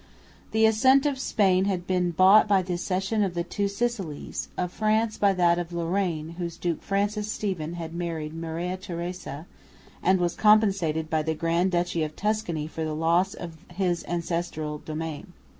The assent of Spain had been bought by the cession of the two Sicilies; of France by that of Lorraine, whose Duke Francis Stephen had married Maria Theresa and was compensated by the Grand Duchy of Tuscany for the loss of his ancestral domain.